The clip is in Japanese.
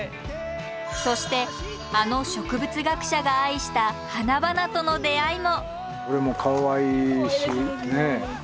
そしてあの植物学者が愛した花々との出会いも！